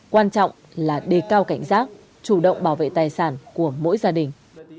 quan trọng là đề cao cảnh giác chủ động bảo vệ tài sản của mỗi gia đình